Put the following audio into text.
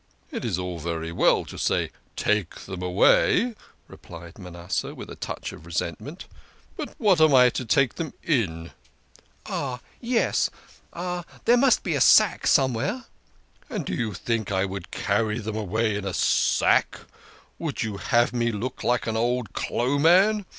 " It is all very well to say take them away," replied Manasseh, with a touch of resentment, " but what am I to take them in? "" Oh ah yes ! There must be a sack somewhere "" And do you think I would carry them away in a sack ? Would you have me look like an old clo' man?